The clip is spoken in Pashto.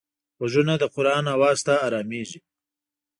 غوږونه د قرآن آواز ته ارامېږي